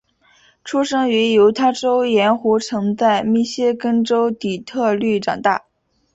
出生于犹他州盐湖城在密歇根州底特律长大。